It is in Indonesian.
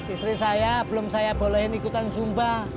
istri saya belum saya bolehin ikutan zumba